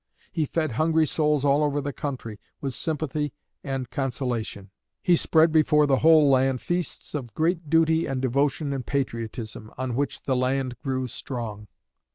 He fed hungry souls all over the country with sympathy and consolation. He spread before the whole land feasts of great duty and devotion and patriotism on which the land grew strong.